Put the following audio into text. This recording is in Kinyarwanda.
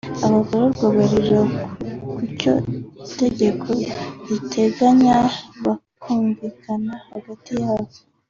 Abagororwa buririra ku cyo itegeko riteganya bakumvikana hagati yabo